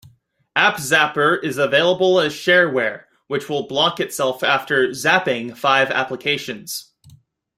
AppZapper is available as Shareware, which will block itself after "zapping" five applications.